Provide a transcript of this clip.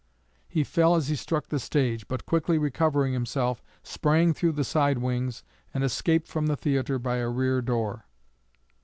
_" He fell as he struck the stage; but quickly recovering himself, sprang through the side wings and escaped from the theatre by a rear door.